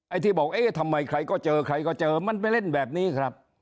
ที่บอกเอ๊ะทำไมใครก็เจอใครก็เจอมันไปเล่นแบบนี้ครับ